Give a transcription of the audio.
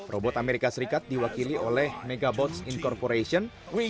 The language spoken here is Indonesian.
robot amerika serikat diwakili oleh megabots incorporation